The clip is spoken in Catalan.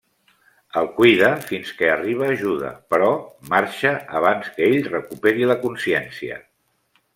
El cuida fins que arriba ajuda però marxa abans que ell recuperi la consciència.